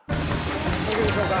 ＯＫでしょうか？